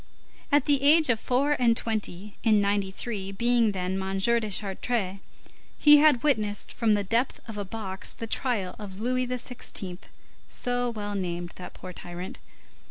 At the age of four and twenty, in '93, being then M. de Chartres, he had witnessed, from the depth of a box, the trial of Louis XVI., so well named that poor tyrant.